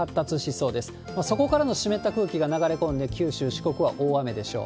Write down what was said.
そこからの湿った空気が流れ込んで、九州、四国は大雨でしょう。